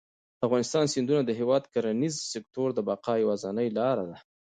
د افغانستان سیندونه د هېواد د کرنیز سکتور د بقا یوازینۍ لاره ده.